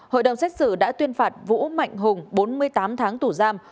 hội đồng xét xử đã tuyên phạt vũ mạnh hùng bốn mươi tám tháng tù giam